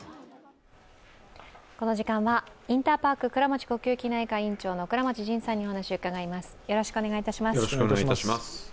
この時間はインターパーク倉持呼吸器内科院長の倉持仁さんにお話を伺います。